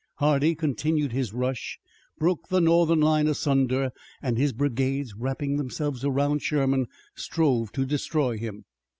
Hardee, continuing his rush, broke the Northern line asunder, and his brigades, wrapping themselves around Sherman, strove to destroy him.